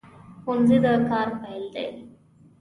ښوونځی د کار پیل دی